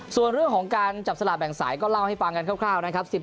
ส่วนเรื่องของการจับสลากแบ่งสายก็เล่าให้ฟังกันคร่าวนะครับ